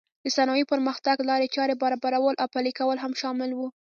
د صنایعو پرمختګ لارې چارې برابرول او پلې کول هم شامل و.